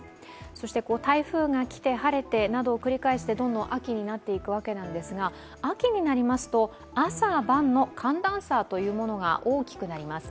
そして、台風が来て晴れてなどを繰り返してどんどん秋になっていくわけなんですが、秋になりますと朝晩の寒暖差というものが大きくなります。